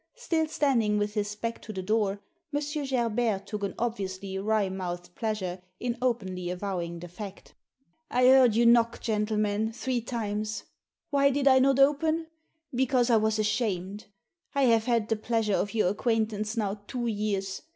Still standing with his back to the door, M. Gerbert took an obviously wry mouthed pleasure in openly avowing the fact " I heard you knock, gentlemen, three times. Why did I not open ? Because I was ashamed. I have had the pleasure of your acquaint ance now two years.